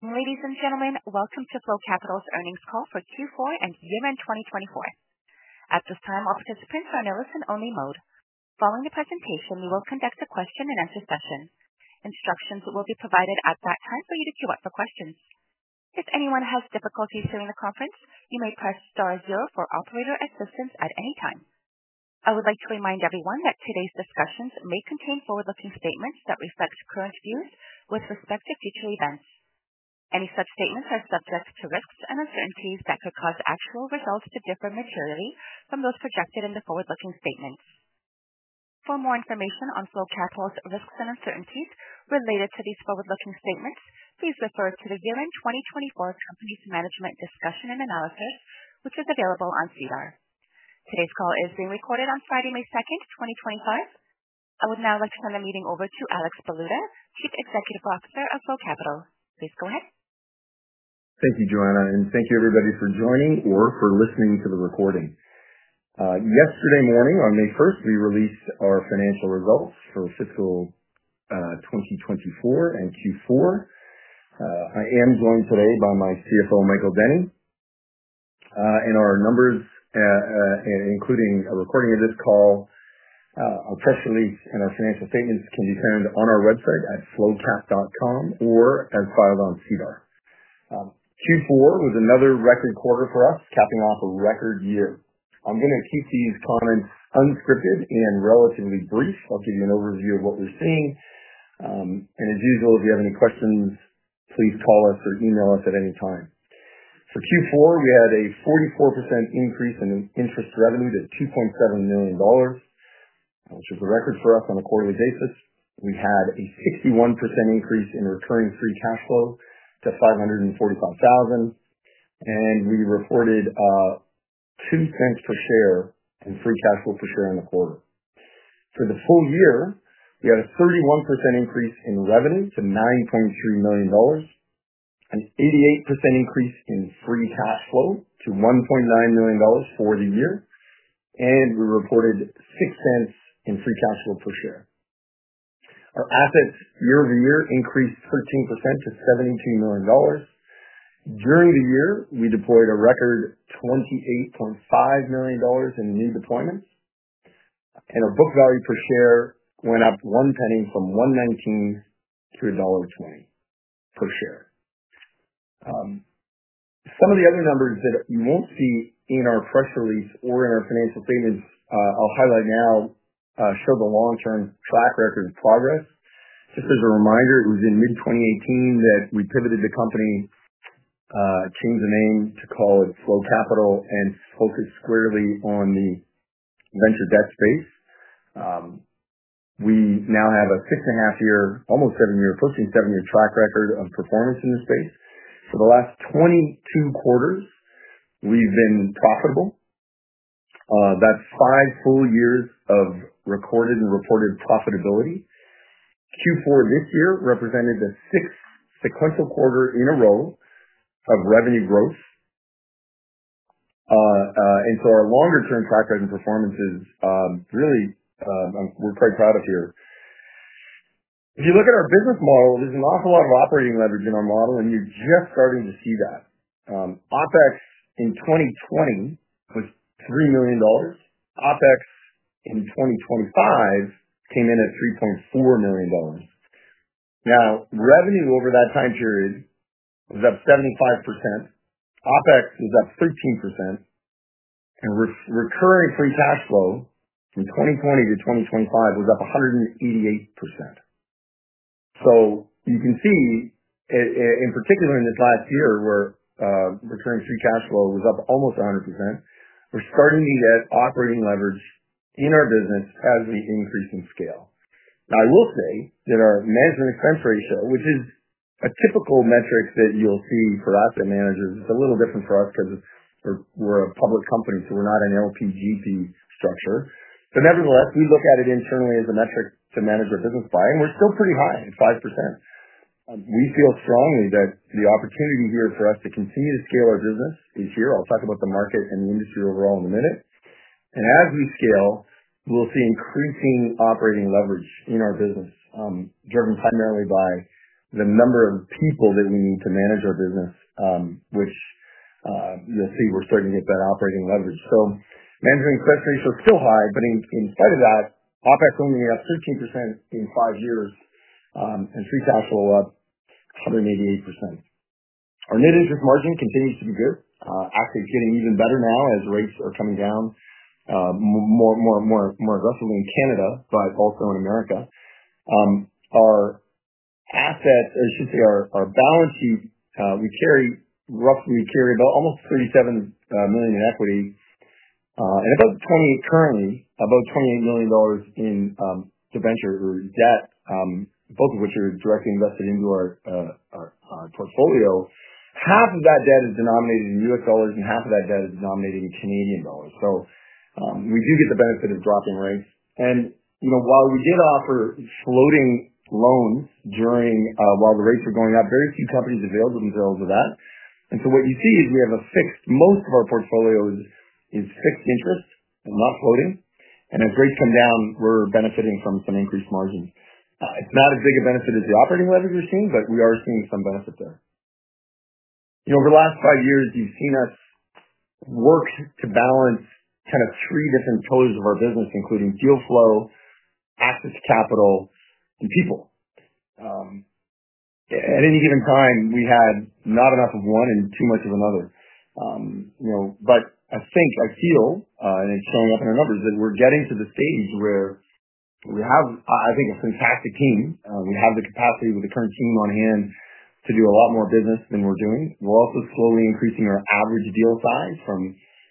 Ladies and gentlemen, welcome to Flow Capital's Earnings Call for Q4 and Year-end 2024. At this time, all participants are on a listen-only mode. Following the presentation, we will conduct a question-and-answer session. Instructions will be provided at that time for you to queue up for questions. If anyone has difficulties viewing the conference, you may press star zero for operator assistance at any time. I would like to remind everyone that today's discussions may contain forward-looking statements that reflect current views with respect to future events. Any such statements are subject to risks and uncertainties that could cause actual results to differ materially from those projected in the forward-looking statements. For more information on Flow Capital's risks and uncertainties related to these forward-looking statements, please refer to the year-end 2024 company's management discussion and analysis, which is available on SEDAR. Today's call is being recorded on Friday, May 2, 2025. I would now like to turn the meeting over to Alex Baluta, Chief Executive Officer of Flow Capital. Please go ahead. Thank you, Joanna, and thank you, everybody, for joining or for listening to the recording. Yesterday morning, on May 1, we released our financial results for fiscal 2024 and Q4. I am joined today by my CFO, Michael Denny, and our numbers, including a recording of this call, our press release, and our financial statements can be found on our website at flowcap.com or as filed on SEDAR. Q4 was another record quarter for us, capping off a record year. I am going to keep these comments unscripted and relatively brief. I will give you an overview of what we are seeing. As usual, if you have any questions, please call us or email us at any time. For Q4, we had a 44% increase in interest revenue to 2.7 million dollars, which is a record for us on a quarterly basis. We had a 61% increase in recurring free cash flow to 545,000, and we reported 0.02 per share in free cash flow per share in the quarter. For the full year, we had a 31% increase in revenue to 9.3 million dollars, an 88% increase in free cash flow to 1.9 million dollars for the year, and we reported 0.06 in free cash flow per share. Our assets year-over-year increased 13% to 72 million dollars. During the year, we deployed a record 28.5 million dollars in new deployments, and our book value per share went up one penny from 1.19 dollar to dollar 1.20 per share. Some of the other numbers that you won't see in our press release or in our financial statements I'll highlight now show the long-term track record of progress. Just as a reminder, it was in mid-2018 that we pivoted the company, changed the name to call it Flow Capital, and focused squarely on the venture debt space. We now have a six-and-a-half-year, almost seven-year, approaching seven-year track record of performance in the space. For the last 22 quarters, we've been profitable. That's five full years of recorded and reported profitability. Q4 this year represented the sixth sequential quarter in a row of revenue growth. Our longer-term track record and performance is really—we're quite proud of here. If you look at our business model, there's an awful lot of operating leverage in our model, and you're just starting to see that. OpEx in 2020 was 3 million dollars. OpEx in 2025 came in at 3.4 million dollars. Now, revenue over that time period was up 75%. OpEx was up 13%, and recurring free cash flow from 2020 to 2025 was up 188%. You can see, in particular, in this last year where recurring free cash flow was up almost 100%, we're starting to get operating leverage in our business as we increase in scale. I will say that our management expense ratio, which is a typical metric that you'll see for asset managers, is a little different for us because we're a public company, so we're not an LPGP structure. Nevertheless, we look at it internally as a metric to manage our business by, and we're still pretty high at 5%. We feel strongly that the opportunity here for us to continue to scale our business is here. I'll talk about the market and the industry overall in a minute. As we scale, we'll see increasing operating leverage in our business, driven primarily by the number of people that we need to manage our business, which you'll see we're starting to get that operating leverage. Management expense ratio is still high, but in spite of that, OpEx only up 13% in five years, and free cash flow up 188%. Our net interest margin continues to be good, actually getting even better now as rates are coming down more aggressively in Canada, but also in the U.S. Our asset—or I should say our balance sheet—we carry roughly almost 37 million in equity and about currently about 28 million dollars in debenture or debt, both of which are directly invested into our portfolio. Half of that debt is denominated in US dollars, and half of that debt is denominated in Canadian dollars. We do get the benefit of dropping rates. While we did offer floating loans while the rates were going up, very few companies availed themselves of that. What you see is we have a fixed—most of our portfolio is fixed interest and not floating. As rates come down, we are benefiting from some increased margins. It is not as big a benefit as the operating leverage we are seeing, but we are seeing some benefit there. Over the last five years, you have seen us work to balance kind of three different pillars of our business, including deal flow, asset to capital, and people. At any given time, we had not enough of one and too much of another. I think, I feel, and it is showing up in our numbers, that we are getting to the stage where we have, I think, a fantastic team. We have the capacity with the current team on hand to do a lot more business than we're doing. We're also slowly increasing our average deal size from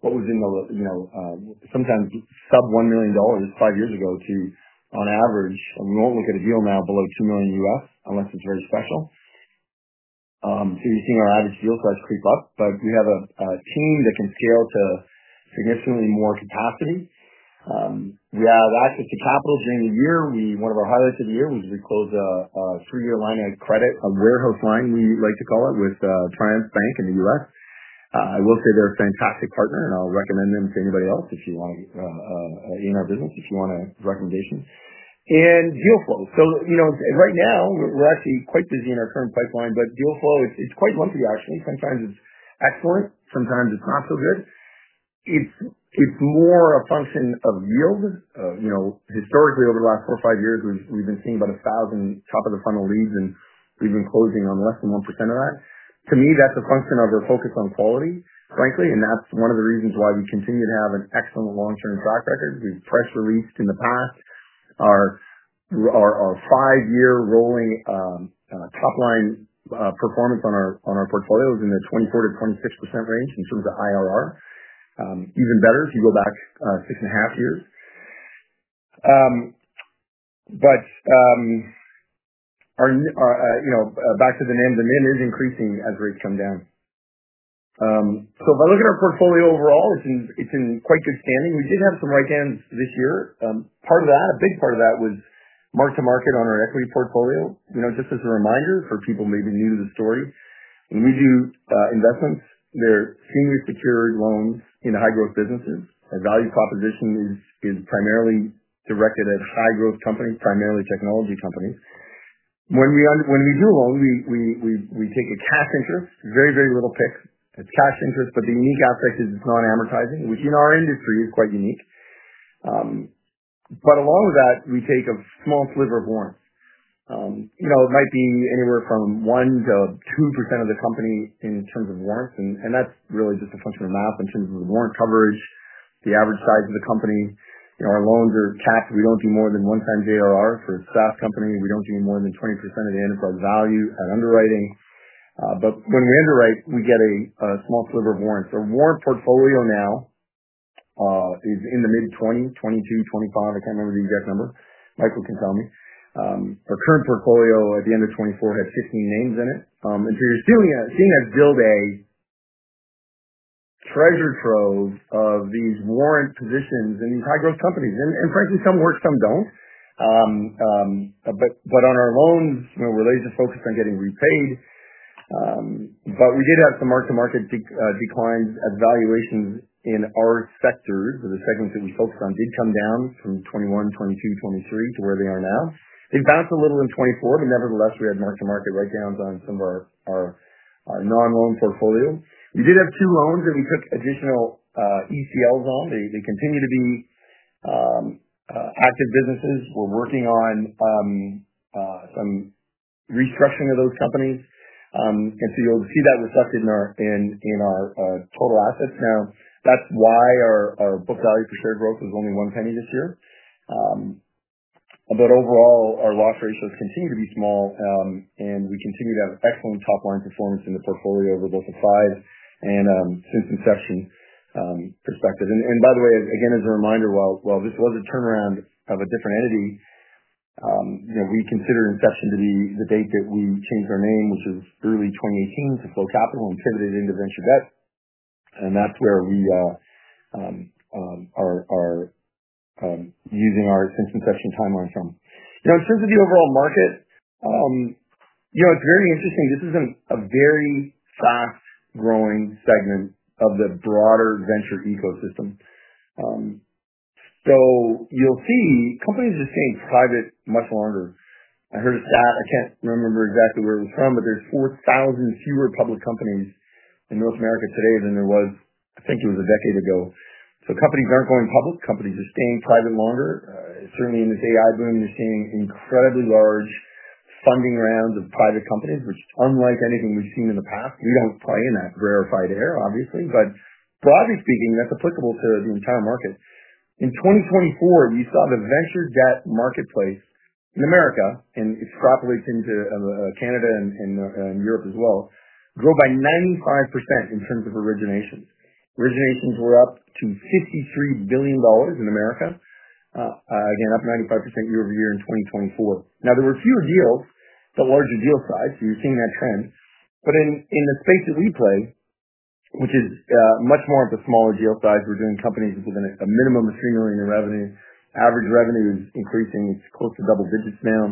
what was in the sometimes sub-CAD 1 million five years ago to, on average—we won't look at a deal now below 2 million US unless it's very special. You are seeing our average deal size creep up, but we have a team that can scale to significantly more capacity. We have access to capital during the year. One of our highlights of the year was we closed a three-year line of credit, a warehouse line, we like to call it, with Triumph Bank in the U.S. I will say they're a fantastic partner, and I'll recommend them to anybody else in our business if you want a recommendation. And deal flow. Right now, we're actually quite busy in our current pipeline, but deal flow, it's quite lumpy, actually. Sometimes it's excellent. Sometimes it's not so good. It's more a function of yield. Historically, over the last four or five years, we've been seeing about 1,000 top-of-the-funnel leads, and we've been closing on less than 1% of that. To me, that's a function of our focus on quality, frankly, and that's one of the reasons why we continue to have an excellent long-term track record. We've press released in the past. Our five-year rolling top-line performance on our portfolio is in the 24%-26% range in terms of IRR, even better if you go back six and a half years. Back to the name, the NIM is increasing as rates come down. If I look at our portfolio overall, it's in quite good standing. We did have some right hands this year. Part of that, a big part of that, was mark-to-market on our equity portfolio. Just as a reminder for people maybe new to the story, when we do investments, they're senior-secured loans in high-growth businesses. Our value proposition is primarily directed at high-growth companies, primarily technology companies. When we do a loan, we take a cash interest, very, very little pick. It's cash interest, but the unique aspect is it's non-amortizing, which in our industry is quite unique. Along with that, we take a small sliver of warrants. It might be anywhere from 1%-2% of the company in terms of warrants, and that's really just a function of math in terms of the warrant coverage, the average size of the company. Our loans are capped. We don't do more than one-time JRR for a SaaS company. We do not do more than 20% of the enterprise value at underwriting. When we underwrite, we get a small sliver of warrants. Our warrant portfolio now is in the mid-2020, 2022-2025. I cannot remember the exact number. Michael can tell me. Our current portfolio at the end of 2024 had 16 names in it. You are seeing us build a treasure trove of these warrant positions in these high-growth companies. Frankly, some work, some do not. On our loans, we are laser-focused on getting repaid. We did have some mark-to-market declines as valuations in our sectors, the segments that we focused on, did come down from 2021, 2022, 2023 to where they are now. They bounced a little in 2024, nevertheless, we had mark-to-market write-downs on some of our non-loan portfolio. We did have two loans that we took additional ECLs on. They continue to be active businesses. We're working on some restructuring of those companies. You'll see that reflected in our total assets. That's why our book value per share growth was only one penny this year. Overall, our loss ratios continue to be small, and we continue to have excellent top-line performance in the portfolio over both the five and since inception perspective. By the way, again, as a reminder, while this was a turnaround of a different entity, we consider inception to be the date that we changed our name, which was early 2018, to Flow Capital and pivoted into venture debt. That's where we are using our since inception timeline from. In terms of the overall market, it's very interesting. This is a very fast-growing segment of the broader venture ecosystem. You'll see companies are staying private much longer. I heard a stat. I can't remember exactly where it was from, but there's 4,000 fewer public companies in North America today than there was, I think it was a decade ago. Companies aren't going public. Companies are staying private longer. Certainly, in this AI boom, you're seeing incredibly large funding rounds of private companies, which, unlike anything we've seen in the past, we don't play in that rarefied air, obviously. Broadly speaking, that's applicable to the entire market. In 2024, you saw the venture debt marketplace in the United States, and it's cropped into Canada and Europe as well, grow by 95% in terms of originations. Originations were up to $53 billion in the United States, again, up 95% year-over-year in 2024. There were fewer deals, but larger deal size. You're seeing that trend. In the space that we play, which is much more of the smaller deal size, we're doing companies with a minimum of CADCAD 3 million in revenue. Average revenue is increasing. It's close to double digits now.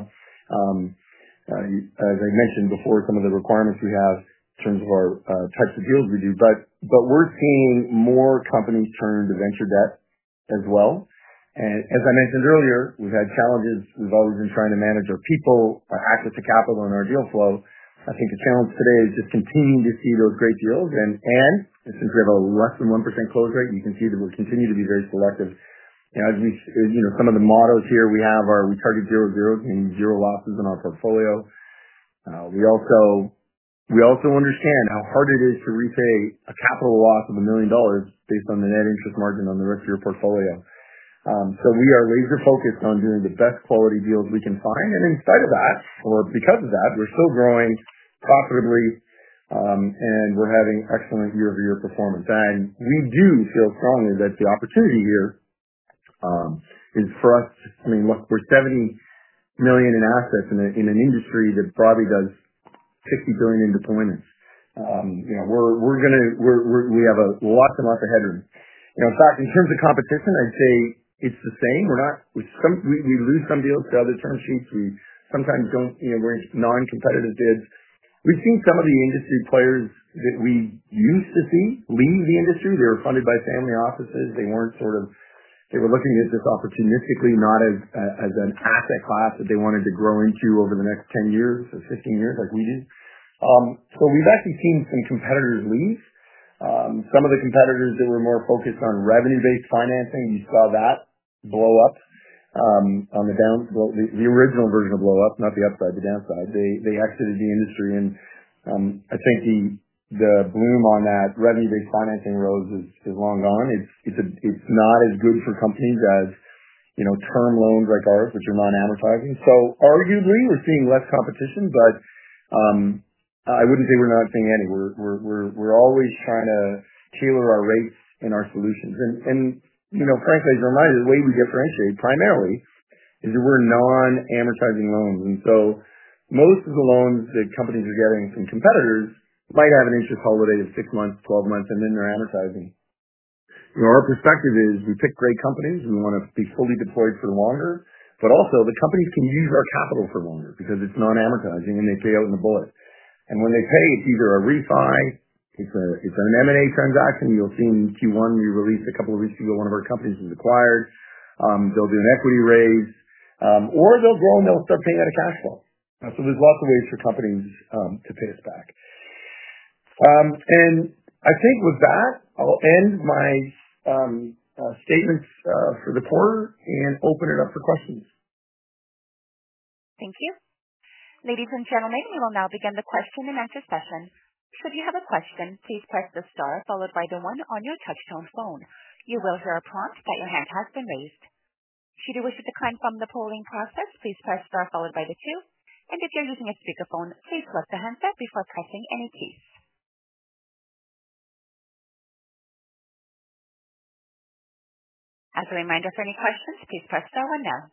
As I mentioned before, some of the requirements we have in terms of our types of deals we do. We're seeing more companies turn to venture debt as well. As I mentioned earlier, we've had challenges. We've always been trying to manage our people, our assets to capital in our deal flow. I think the challenge today is just continuing to see those great deals. Since we have a less than 1% close rate, you can see that we continue to be very selective. Some of the mottos here we have are we target zero-zeros, meaning zero losses in our portfolio. We also understand how hard it is to repay a capital loss of 1 million dollars based on the net interest margin on the rest of your portfolio. We are laser-focused on doing the best quality deals we can find. In spite of that, or because of that, we're still growing profitably, and we're having excellent year-over-year performance. We do feel strongly that the opportunity here is for us to—I mean, look, we're 70 million in assets in an industry that probably does 60 billion in deployments. We have lots and lots of headroom. In fact, in terms of competition, I'd say it's the same. We lose some deals to other term sheets. We sometimes don't—we're in non-competitive bids. We've seen some of the industry players that we used to see leave the industry. They were funded by family offices. They were not sort of—they were looking at this opportunistically, not as an asset class that they wanted to grow into over the next 10 years or 15 years like we do. We have actually seen some competitors leave. Some of the competitors that were more focused on revenue-based financing, you saw that blow up on the down—the original version of blow up, not the upside, the downside. They exited the industry. I think the bloom on that revenue-based financing rose is long gone. It is not as good for companies as term loans like ours, which are non-amortizing. Arguably, we are seeing less competition, but I would not say we are not seeing any. We are always trying to tailor our rates and our solutions. Frankly, as you are reminded, the way we differentiate primarily is that we are non-amortizing loans. Most of the loans that companies are getting from competitors might have an interest holiday of six months, twelve months, and then they're amortizing. Our perspective is we pick great companies. We want to be fully deployed for longer. Also, the companies can use our capital for longer because it's non-amortizing, and they pay out in the bullet. When they pay, it's either a refi, it's an M&A transaction. You'll see in Q1, we released a couple of weeks ago, one of our companies was acquired. They'll do an equity raise, or they'll grow and they'll start paying out a cash flow. There are lots of ways for companies to pay us back. I think with that, I'll end my statements for the quarter and open it up for questions. Thank you. Ladies and gentlemen, we will now begin the question and answer session. Should you have a question, please press the star followed by the one on your touch-tone phone. You will hear a prompt that your hand has been raised. Should you wish to decline from the polling process, please press star followed by the two. If you're using a speakerphone, please flip the handset before pressing any keys. As a reminder, for any questions, please press star when now.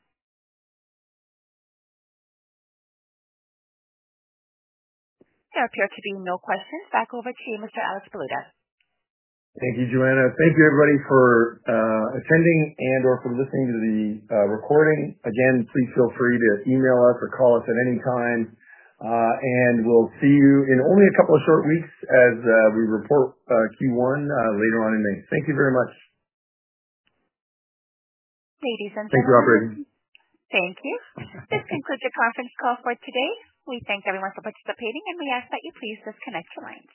There appear to be no questions. Back over to you, Mr. Alex Baluta. Thank you, Joanna. Thank you, everybody, for attending and/or for listening to the recording. Again, please feel free to email us or call us at any time. We'll see you in only a couple of short weeks as we report Q1 later on in May. Thank you very much. Ladies and gentlemen. Thank you, Operator. Thank you. This concludes your conference call for today. We thank everyone for participating, and we ask that you please disconnect your lines.